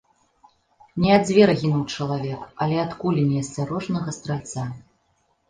Не ад звера гінуў чалавек, але ад кулі неасцярожнага стральца.